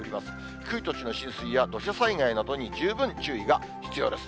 低い土地の浸水や土砂災害などに十分注意が必要です。